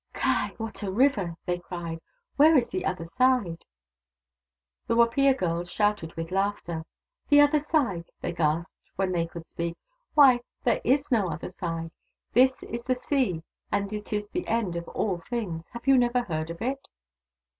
" Ky ! what a river !" they cried. " Where is the other side ?" The Wapiya girls shouted with laughter. " The other side !" they gasped, when they could speak. " Why, there is no other side. This is the vSea, and it is the end of all things. Have you never heard of it